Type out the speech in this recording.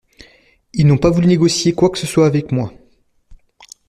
Ils n'ont pas voulu négocier quoi que ce soit avec moi.